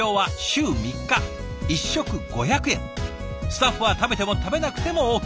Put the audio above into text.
スタッフは食べても食べなくてもＯＫ。